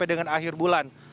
dengan akhir bulan